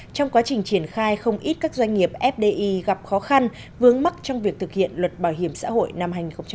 trong quá trình triển khai không ít các doanh nghiệp fdi gặp khó khăn vướng mắt trong việc thực hiện luật bảo hiểm xã hội năm hai nghìn một mươi